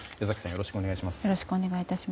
よろしくお願いします。